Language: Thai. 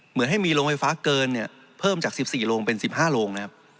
เหมือนให้มีโรงไฟฟ้าเกินเพิ่มจาก๑๔โรงเป็น๑๕โรง